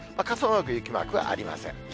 傘マーク、雪マークはありません。